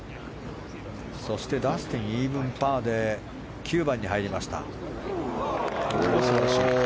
そしてダスティンイーブンパーで９番に入りました。